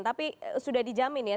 tapi sudah dijamin ya